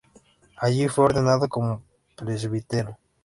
Allí fue ordenado como presbítero.